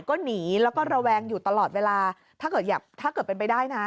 ก็หนีแล้วก็ระแวงอยู่ตลอดเวลาถ้าเกิดอยากถ้าเกิดเป็นไปได้นะ